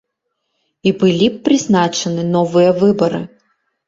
І былі б прызначаны новыя выбары.